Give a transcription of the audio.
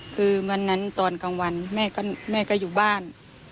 คือวันนั้นตอนกลางวันแม่ก็อยู่บ้าน